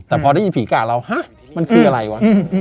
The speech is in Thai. แต่พอได้ยินผีกะเราฮะมันคืออะไรวะ